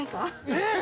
えっ！